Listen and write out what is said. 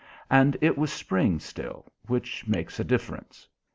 And it was spring still, which makes a difference.